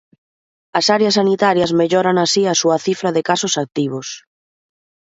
As áreas sanitarias melloran así a súa cifra de casos activos.